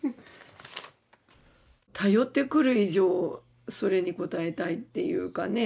頼ってくる以上それに応えたいっていうかね